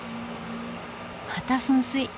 また噴水。